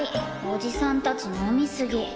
おじさんたち飲みすぎ。